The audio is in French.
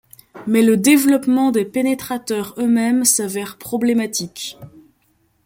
Mais le développement des pénétrateurs eux-mêmes s'avère problématique.